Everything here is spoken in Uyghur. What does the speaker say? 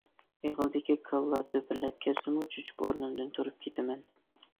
ئېغىلدىكى كالىلار دۈپۈرلەپ كەتسىمۇ چۆچۈپ ئورنۇمدىن تۇرۇپ كېتىمەن.